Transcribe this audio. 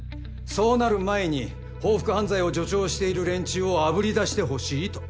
そうなる前に報復犯罪を助長している連中をあぶり出してほしいと。